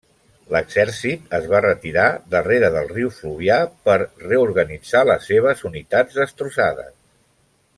L'exèrcit es va retirar darrere del riu Fluvià per reorganitzar les seves unitats destrossades.